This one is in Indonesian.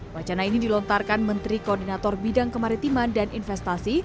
wacana ini dilontarkan menteri koordinator bidang kemaritiman dan investasi